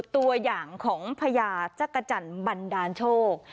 ตัวอย่างของพญาจักรจันทร์บันดาลโชค